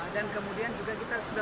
dan kemudian juga kita sudah